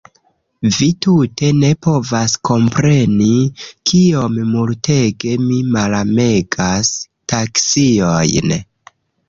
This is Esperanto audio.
Vi tute ne povas kompreni, kiom multege mi malamegas taksiojn.